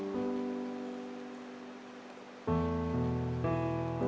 คุณผู้ชมครับเราไม่รู้หรอกนะครับว่า